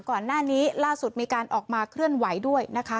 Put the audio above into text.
ก่อนหน้านี้ล่าสุดมีการออกมาเคลื่อนไหวด้วยนะคะ